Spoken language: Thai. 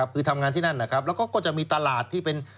คือทำงานที่นั่นนะครับแล้วก็จะมีตลาดที่เป็น